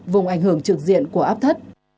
vùng ảnh hưởng trực diện của áp thấp